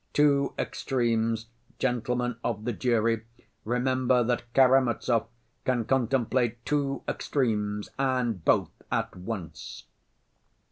Two extremes, gentlemen of the jury, remember that Karamazov can contemplate two extremes and both at once.